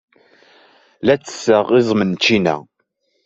La ttesseɣ iẓem n ččina.